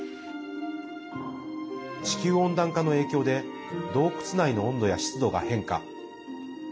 地球温暖化の影響で洞窟内の温度や湿度が変化。